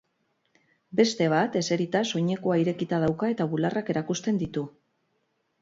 Beste bat, eserita, soinekoa irekita dauka eta bularrak erakusten ditu.